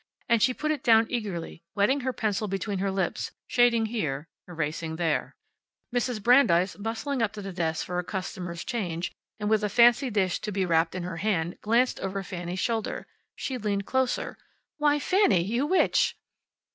And she put it down eagerly, wetting her pencil between her lips, shading here, erasing there. Mrs. Brandeis, bustling up to the desk for a customer's change, and with a fancy dish to be wrapped, in her hand, glanced over Fanny's shoulder. She leaned closer. "Why, Fanny, you witch!"